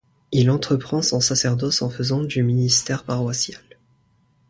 Il entreprend son sacerdoce en faisant du ministère paroissial.